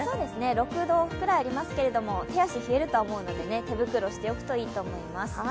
６度くらいありますけれども、手足冷えると思うので手袋しておくといいと思います。